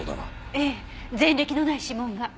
ええ前歴のない指紋が。